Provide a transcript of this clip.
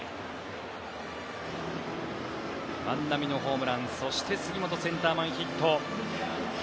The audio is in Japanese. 万波のホームランそして杉本、センター前ヒット。